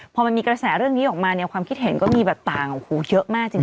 พอมันมีกระแสเรื่องนี้ออกมาเนี่ยความคิดเห็นก็มีแบบต่างโอ้โหเยอะมากจริง